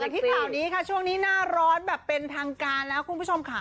ต่อกันที่ข่าวนี้ช่วงนี้น่าร้อนแบบเป็นทางกาลแล้วคุณผู้ชมค่ะ